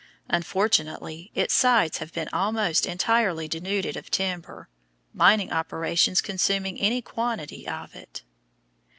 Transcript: Unfortunately, its sides have been almost entirely denuded of timber, mining operations consuming any quantity of it.